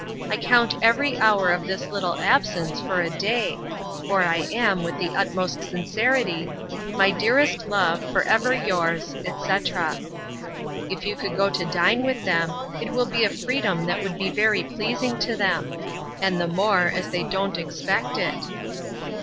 I count every hour of this little absence for a day: for I am, with the utmost sincerity, 'My dearest love, for ever yours, etc.' 'If you could go to dine with them, it will be a freedom that would be very pleasing to them; and the more, as they don't expect it.